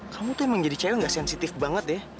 kamu tuh emang jadi cewek gak sensitif banget deh